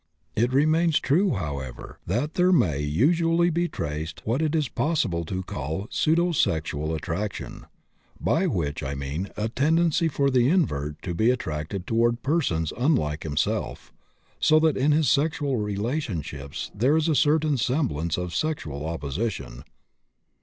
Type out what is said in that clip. It remains true, however, that there may usually be traced what it is possible to call pseudosexual attraction, by which I mean a tendency for the invert to be attracted toward persons unlike himself, so that in his sexual relationships there is a certain semblance of sexual opposition.